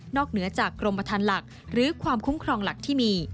เหนือจากกรมประธานหลักหรือความคุ้มครองหลักที่มี